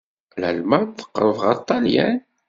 Lalman teqreb ɣer Ṭṭalyan?